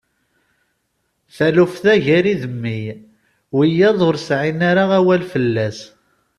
Taluft-a gar-i d mmi, wiyiḍ ur sɛin ara awal fell-as.